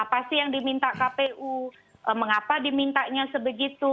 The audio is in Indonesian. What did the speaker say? apa sih yang diminta kpu mengapa dimintanya sebegitu